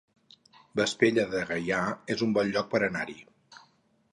Vespella de Gaià es un bon lloc per anar-hi